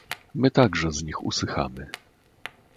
"my także z nich usychamy."